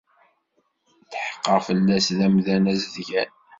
Tḥeqqeɣ fell-as d amdan azedgan.